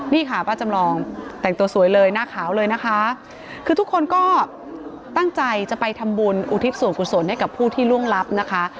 นี่ค่ะป้าจำลองแต่งตัวสวยเลยหน้าขาวเลยนะคะคือทุกคนก็ตั้งใจจะไปทำบุญอุทิศส่วนกุศลให้กับผู้ที่ล่วงลับนะคะ